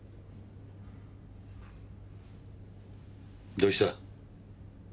どうした？